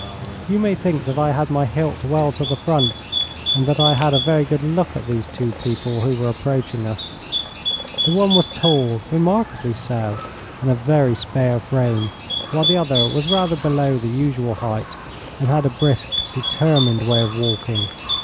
You may think that I had my hilt well to the front, and that I had a very good look at these two people who were approaching us. The one was tall, remarkably so, and of very spare frame, while the other was rather below the usual height, and had a brisk, determined way of walking.